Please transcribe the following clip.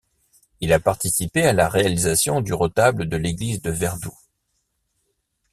Il a participé à la réalisation du retable de l'église de Verdú.